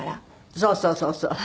そうそうそうそう。